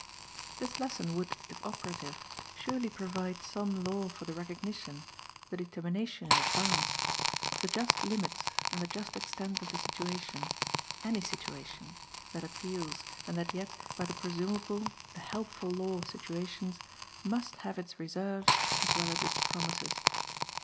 This lesson would, if operative, surely provide some law for the recognition, the determination in advance, of the just limits and the just extent of the situation, ANY situation, that appeals, and that yet, by the presumable, the helpful law of situations, must have its reserves as well as its promises.